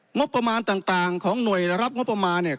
งบประมาณต่างของหน่วยรับงบประมาณเนี่ย